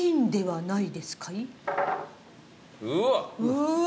うわ！